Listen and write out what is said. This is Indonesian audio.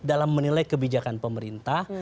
dalam menilai kebijakan pemerintah